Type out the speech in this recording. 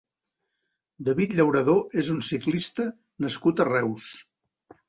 David Llauradó és un ciclista nascut a Reus.